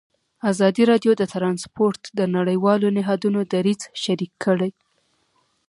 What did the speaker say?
ازادي راډیو د ترانسپورټ د نړیوالو نهادونو دریځ شریک کړی.